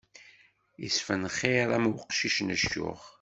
Isfenxiṛ am uqcic n ccuq.